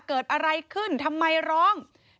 เกิดอะไรขึ้นทำไมร้อง